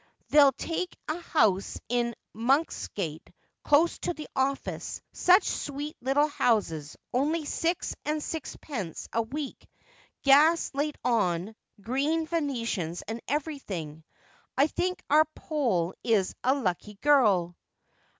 They'll take a house in Monks gate, close to the office — such sweet little houses, only six and sixpence a week ; gas laid on ; green Venetians and everything. I think our Poll is a lucky girl.'